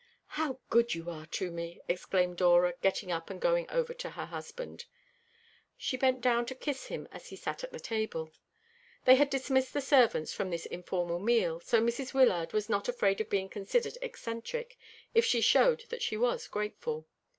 "How good you are to me!" exclaimed Dora, getting up and going over to her husband. She bent down to kiss him as he sat at the table. They had dismissed the servants from this informal meal, so Mrs. Wyllard was not afraid of being considered eccentric, if she showed that she was grateful.